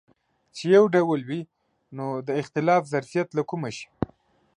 چې یو ډول وي نو د اختلاف ظرفیت له کومه شي.